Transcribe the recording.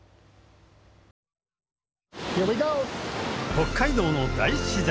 北海道の大自然。